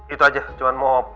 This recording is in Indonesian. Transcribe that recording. itu aja cuman mau